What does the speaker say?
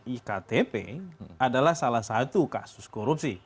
iktp adalah salah satu kasus korupsi